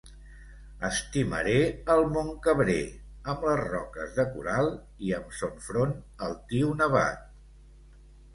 Estimaré el Montcabrer, amb les roques de coral i amb son front altiu nevat.